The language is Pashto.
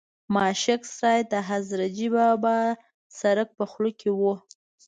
ماشک سرای د حضرتجي بابا سرک په خوله کې و.